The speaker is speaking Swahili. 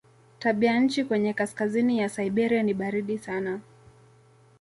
Tabianchi kwenye kaskazini ya Siberia ni baridi sana.